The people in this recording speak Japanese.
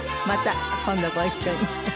また今度ご一緒に。